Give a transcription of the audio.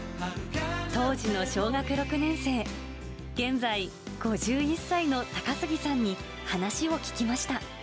当時の小学６年生、現在、５１歳の高杉さんに話を聞きました。